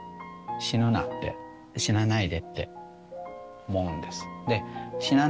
死ぬなって死なないでって思うんです。